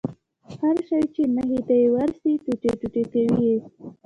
هر شى چې مخې ته يې ورسي ټوټې ټوټې کوي يې.